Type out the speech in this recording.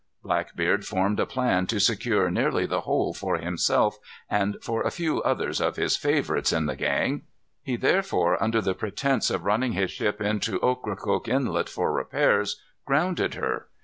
Blackbeard formed a plan to secure nearly the whole for himself, and for a few others of his favorites in the gang. He therefore, under pretence of running his ship into Ocracoke Inlet for repairs, grounded her.